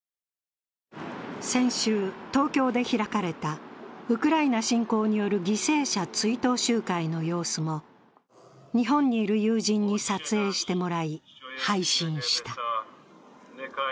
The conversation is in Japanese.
先週、東京で開かれたウクライナ侵攻による犠牲者追悼集会の様子も日本にいる友人に撮影してもらい、配信した。